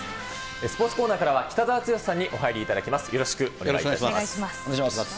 スポーツコーナーからは北澤豪さんにお入りいただきます。